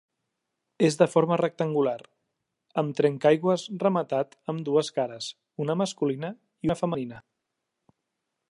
És de forma rectangular, amb trencaaigües rematat amb dues cares, una masculina i una femenina.